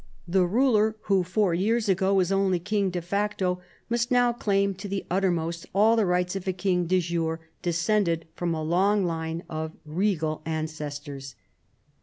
The rnler who four years ago was only king de facto must now cLiim to the uttermost all the rights of a king de jure de scended from a long line of regal ancestors.